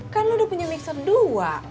kan lo udah punya mixer dua